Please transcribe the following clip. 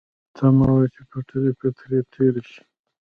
تمه وه چې پټلۍ به ترې تېره شي.